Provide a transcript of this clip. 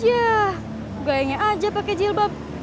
yah gue inget aja pakai jilbab